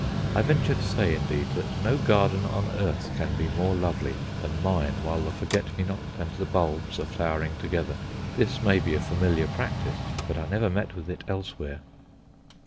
I venture to say, indeed, that no garden on earth can be more lovely than mine while the forget me not and the bulbs are flowering together. This may be a familiar practice, but I never met with it elsewhere.